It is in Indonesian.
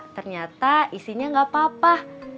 ternyata isinya nggak apa apa